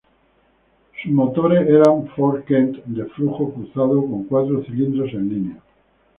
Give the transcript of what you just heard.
Sus motores eran Ford Kent de flujo cruzado, con cuatro cilindros en línea.